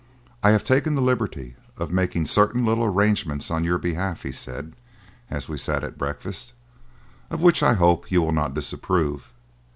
"I have taken the liberty of making certain little arrangements on your behalf," he said, as we sat at breakfast, "of which I hope you will not disapprove.